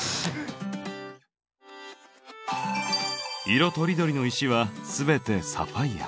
色とりどりの石は全てサファイア。